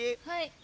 はい。